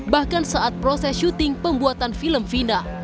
bahkan saat proses syuting pembuatan film fina